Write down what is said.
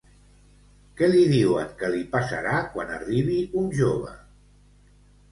Què li diuen que li passarà quan arribi un jove?